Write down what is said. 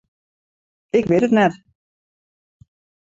Ik wit it net.